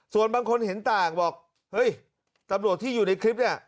ส่วนบางคนเห็นต่างบอกเฮ้ยตำรวจที่อยู่ในคลิปเนี่ย